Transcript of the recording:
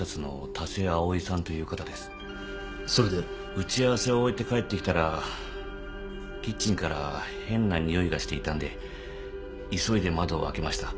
打ち合わせを終えて帰ってきたらキッチンから変なにおいがしていたんで急いで窓を開けました。